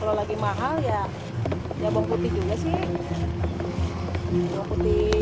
kalau lagi mahal ya bawang putih juga sih